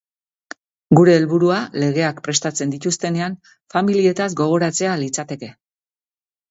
Gure helburua, legeak prestatzen dituztenean, familietaz gogoratzea litzateke.